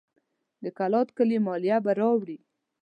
د کلات کلي مالیه به راوړي.